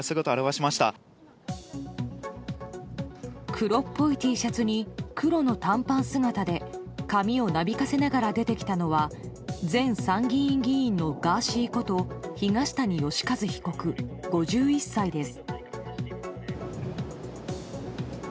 黒っぽいＴシャツに黒の短パン姿で髪をなびかせながら出てきたのは前参議院議員のガーシーこと東谷義和被告、５１歳です。